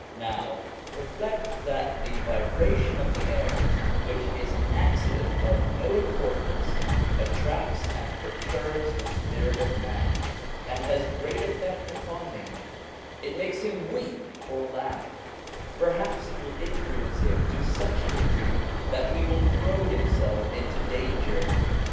Now reflect that the vibration of the air, which is an accident of no importance, attracts and perturbs the spirit of man, and has great effect upon him: it makes him weep or laugh; perhaps it will influence him to such a degree that he will throw him self into danger.